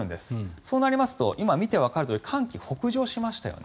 そうなりますと今、見てわかるとおり寒気が北上しましたよね。